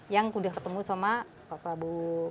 yang udah ketemu sama pak prabowo